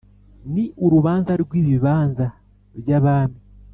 ni urubanza rw'ibibanza by'abami